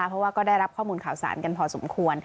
เพราะว่าก็ได้รับข้อมูลข่าวสารกันพอสมควร